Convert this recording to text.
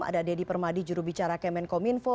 ada deddy permadi jurubicara kemenkominfo